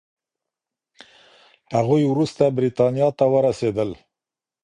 هغوی وروسته بریتانیا ته ورسېدل.